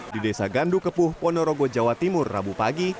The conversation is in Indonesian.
di desa gandu kepuh ponorogo jawa timur rabu pagi